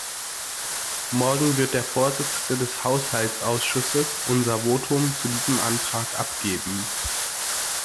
Morgen wird der Vorsitzende des Haushaltsausschusses unser Votum zu diesem Antrag abgeben.